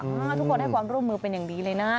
ทุกคนให้ความร่วมมือเป็นอย่างดีเลยนะ